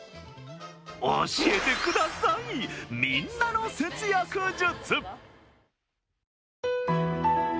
教えてください、みんなの節約術！